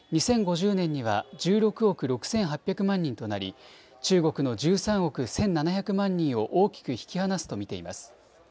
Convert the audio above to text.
２０５０年には１６億６８００万人となり中国の１３億１７００万人を大きく引き離すと見ています。